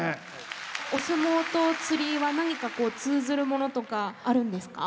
お相撲と釣りは何かこう通ずるものとかあるんですか？